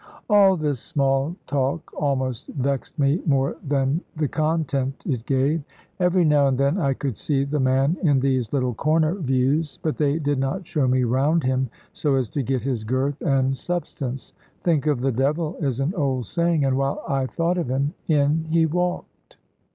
All this small talk almost vexed me more than the content it gave. Every now and then I could see the man in these little corner views, but they did not show me round him so as to get his girth and substance. "Think of the devil," is an old saying; and while I thought of him, in he walked.